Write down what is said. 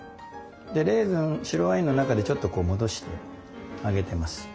でレーズン白ワインの中でちょっとこう戻してあげてます。